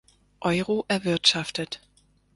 Euro erwirtschaftet.